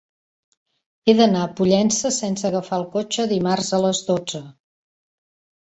He d'anar a Pollença sense agafar el cotxe dimarts a les dotze.